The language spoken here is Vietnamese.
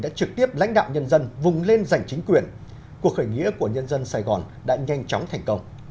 đã trực tiếp lãnh đạo nhân dân vùng lên giành chính quyền cuộc khởi nghĩa của nhân dân sài gòn đã nhanh chóng thành công